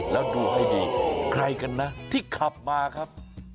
แล้วดูให้ดีใครกันนะที่ขับมาครับ